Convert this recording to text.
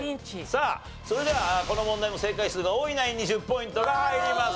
さあそれではこの問題も正解数が多いナインに１０ポイントが入ります。